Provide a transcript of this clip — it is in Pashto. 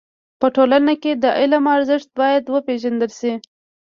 په ټولنه کي د علم ارزښت بايد و پيژندل سي.